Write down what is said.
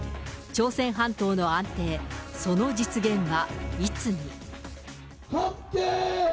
朝鮮半島の安定、その実現はいつに。